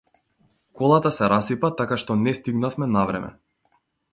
Колата се расипа така што не стигнавме на време.